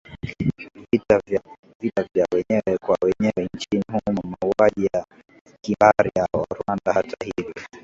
vita vya wenyewe kwa wenyewe nchini humo Mauaji ya kimbari ya RwandaHata hivyo